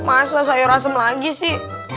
masa sayur asem lagi sih